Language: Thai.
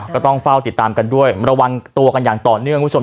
ก็ต้องเฝ้าติดตามกันด้วยระวังตัวกันอย่างต่อเนื่องคุณผู้ชม